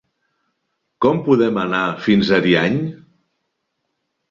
Com podem anar fins a Ariany?